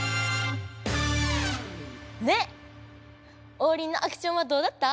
オウリンのアクションはどうだった？